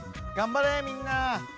頑張れみんな！